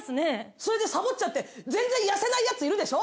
それでサボっちゃって全然痩せないヤツいるでしょ？